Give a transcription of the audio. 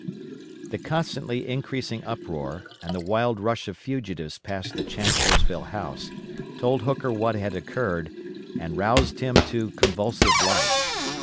The constantly increasing uproar, and the wild rush of fugitives past the Chancellorsville House, told Hooker what had occurred, and roused him to convulsive life.